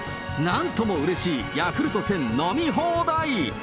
なんともうれしいヤクルト１０００飲み放題。